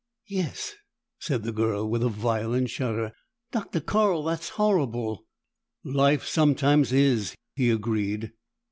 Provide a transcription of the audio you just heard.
"Yes," said the girl, with a violent shudder. "Dr. Carl, that's horrible!" "Life sometimes is," he agreed.